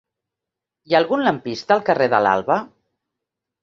Hi ha algun lampista al carrer de l'Alba?